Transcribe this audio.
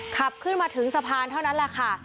ขับขึ้นมาถึงสะพานเท่านั้นแหละค่ะ